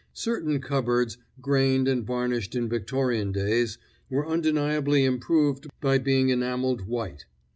Certain cupboards, grained and varnished in Victorian days, were undeniably improved by being enameled white.